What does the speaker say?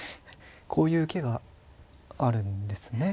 こういう受けがあるんですね。